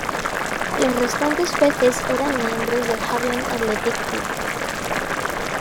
Los restantes jueces eran miembros del Harlem Athletic Club.